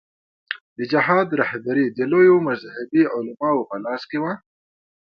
د جهاد رهبري د لویو مذهبي علماوو په لاس کې وه.